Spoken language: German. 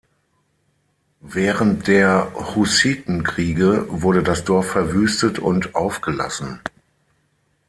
Während der Hussitenkriege wurde das Dorf verwüstet und aufgelassen.